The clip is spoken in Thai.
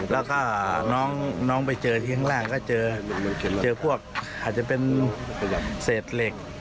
แล้วก็น้องไปเจอที่ข้างล่างก็เจอพวกอาจจะเป็นเศษเหล็ก